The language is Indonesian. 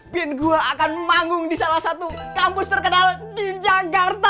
bin gua akan manggung di salah satu kampus terkenal di jakarta